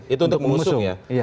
itu untuk mengusung ya